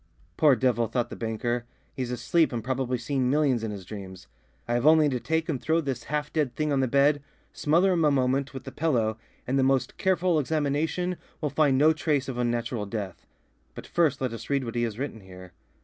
"Poor devil," thought the banker, "he's asleep and probably seeing millions in his dreams. I have only to take and throw this half dead thing on the bed, smother him a moment with the pillow, and the most careful examination will find no trace of unnatural death. But, first, let us read what he has written here."